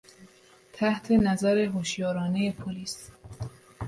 تحت نظر هشیارانهی پلیس